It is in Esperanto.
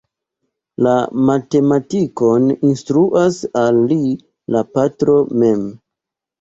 La matematikon instruas al li la patro mem.